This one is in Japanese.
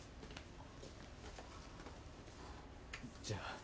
じゃあ。